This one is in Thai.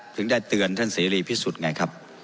ถึงได้เตือนท่านเสรีพิสุทธิ์ไงครับ